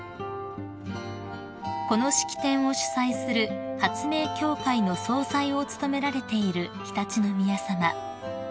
［この式典を主催する発明協会の総裁を務められている常陸宮さま］